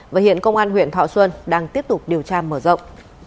và hiện công an huyện thọ xuân đang tiếp tục điều tra mở rộng